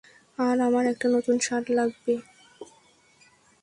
আর আমার একটা নতুন শার্ট লাগবে।